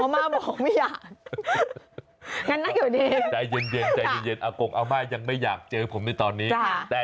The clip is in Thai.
เขาไม่ส่งผมไป